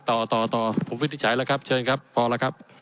ต่อต่อผมวินิจฉัยแล้วครับเชิญครับพอแล้วครับ